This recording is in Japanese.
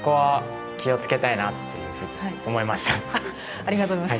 ありがとうございます。